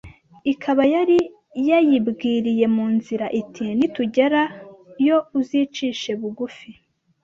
Ikaba yari yayibwiriye mu nzira iti Nitugera yo uzicishe bugufi